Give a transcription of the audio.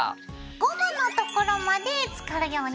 ゴムのところまでつかるようにします。